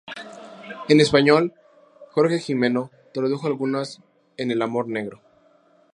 En español Jorge Gimeno tradujo algunas en "El amor negro.